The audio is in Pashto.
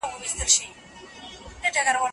یوځل وانه خیست له غوښو څخه خوند